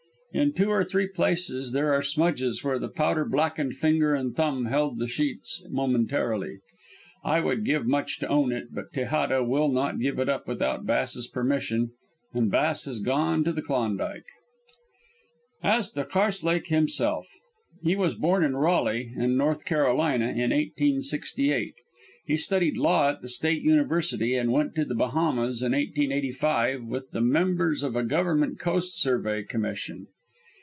In two or three places there are smudges where the powder blackened finger and thumb held the sheets momentarily. I would give much to own it, but Tejada will not give it up without Bass's permission, and Bass has gone to the Klondike. As to Karslake himself. He was born in Raleigh, in North Carolina, in 1868, studied law at the State University, and went to the Bahamas in 1885 with the members of a government coast survey commission.